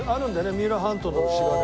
三浦半島の牛がね。